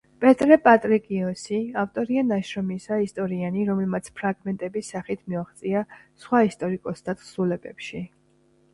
პეტრე პატრიკიოსი ავტორია ნაშრომისა „ისტორიანი“, რომელმაც ფრაგმენტების სახით მოაღწია სხვა ისტორიკოსთა თხზულებებში.